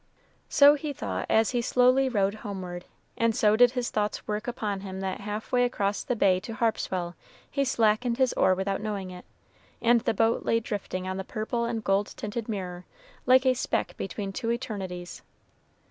So he thought as he slowly rowed homeward, and so did his thoughts work upon him that half way across the bay to Harpswell he slackened his oar without knowing it, and the boat lay drifting on the purple and gold tinted mirror, like a speck between two eternities.